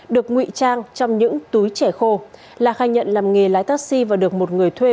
được ngụy trang trong những túi trẻ khô la khai nhận làm nghề lái taxi và được một người thuê